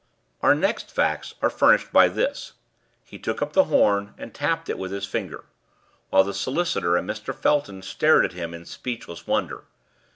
"Our next facts are furnished by this." He took up the horn and tapped it with his finger, while the solicitor and Mr. Felton stared at him in speechless wonder.